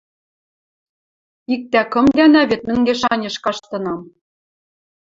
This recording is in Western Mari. Иктӓ кым гӓнӓ вет мӹнгеш-анеш каштынам...